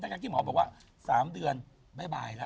ดังนั้นที่หมอบอกว่า๓เดือนบ๊ายบายละ